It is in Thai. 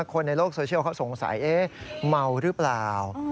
คนในโลกโซเชียลเขาสงสัยเมาหรือเปล่า